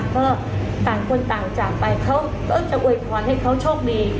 ก็ต่างคนต่างจากไปเขาก็จะอวยพรให้เขาโชคดี